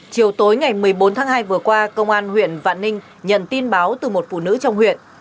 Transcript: chiều tối ngày một mươi bốn tháng hai vừa qua công an huyện vạn ninh nhận tin báo từ một phụ nữ trong huyện